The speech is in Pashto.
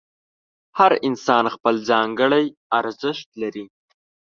هر انسان خپل ځانګړی ارزښت لري.